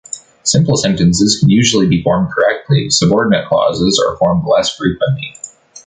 Simple sentences can usually be formed correctly, subordinate clauses are formed less frequently.